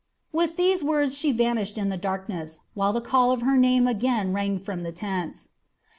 With these words she vanished in the darkness, while the call of her name again rang from the tents.